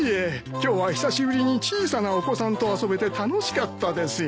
今日は久しぶりに小さなお子さんと遊べて楽しかったですよ。